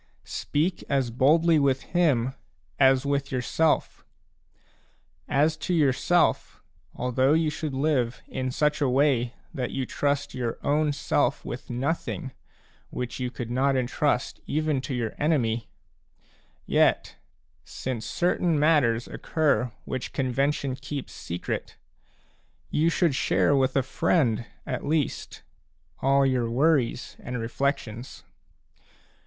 Speak as boldly with him as with yourself. As to yourself, although you should live in such a way that you trust your own self with nothing which you could not entrust even to your enemy, yet, since certain matters occur which convention keeps secret, you should share with a friend at least all your worries and reflections.